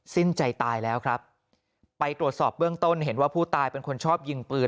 สิ้นใจตายแล้วครับไปตรวจสอบเบื้องต้นเห็นว่าผู้ตายเป็นคนชอบยิงปืน